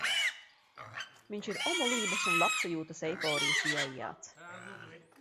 Viņš ir omulības un labsajūtas eiforijas ieaijāts.